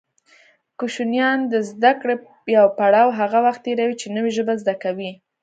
کوشنیان د زده کړې يو پړاو هغه وخت تېروي چې نوې ژبه زده کوي